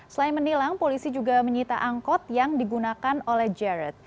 selain menilang polisi juga menyita angkot yang digunakan oleh jarod